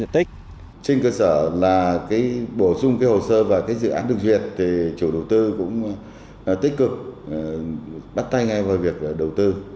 trên cơ sở là bổ sung hồ sơ và dự án được duyệt thì chủ đầu tư cũng tích cực bắt tay ngay vào việc đầu tư